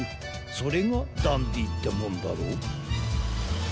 それがダンディってもんだろ。